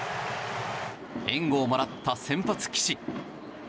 援護をもらった先発、岸。